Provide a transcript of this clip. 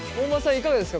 いかがですか？